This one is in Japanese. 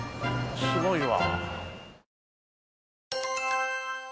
すごいわ。